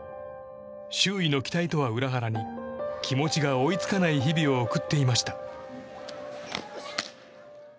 周囲の期待とは裏腹に気持ちが追いつかない日々を送っていました。